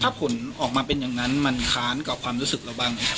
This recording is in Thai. ถ้าผลออกมาเป็นอย่างนั้นมันค้านกับความรู้สึกเราบ้างไหมครับ